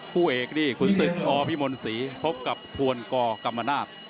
ผู้เอกคุณศึกอพี่มนษีพบกับทวนกกัมมานาค